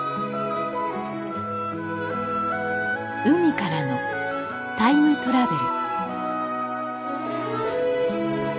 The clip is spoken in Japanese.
海からのタイムトラベル。